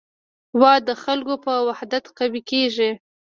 هېواد د خلکو په وحدت قوي کېږي.